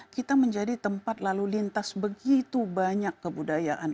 kita menjadi tempat lalu lintas begitu banyak kebudayaan